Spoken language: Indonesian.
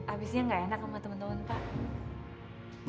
abisnya gak enak sama temen temen pak